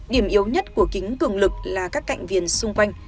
điểm yếu nhất của kính cường lực là các cạnh viền xung quanh